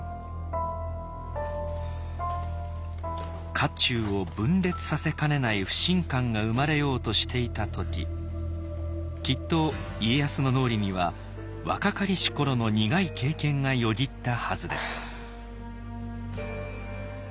家中を分裂させかねない不信感が生まれようとしていた時きっと家康の脳裏には若かりし頃の苦い経験がよぎったはずです。